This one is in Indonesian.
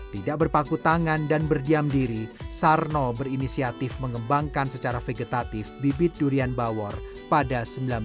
tidak berpaku tangan dan berdiam diri sarno berinisiatif mengembangkan secara vegetatif bibit durian bawor pada seribu sembilan ratus sembilan puluh